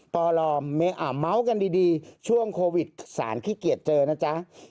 เมาเมาส์กันดีช่วงโควิดสารขี้เกียจเจอนะจ๊ะ